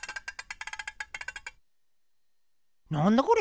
なんだこれ？